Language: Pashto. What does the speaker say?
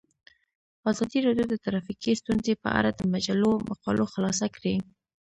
ازادي راډیو د ټرافیکي ستونزې په اړه د مجلو مقالو خلاصه کړې.